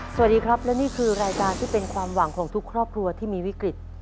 สวัสดีครับและนี่คือรายการที่เป็นความหวังของทุกครอบครัวที่มีวิกฤต